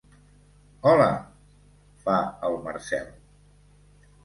Hola —fa el Marcel.